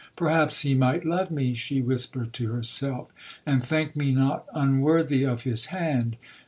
'Perhaps he might love me,' she whispered to herself, 'and think me not unworthy of his hand.'